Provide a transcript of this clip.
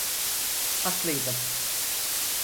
Haklıydım.